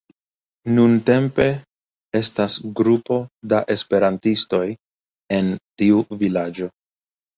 Nuntempe estas grupo da esperantistoj en tiu vilaĝo.